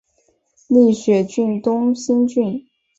立雪郡东兴郡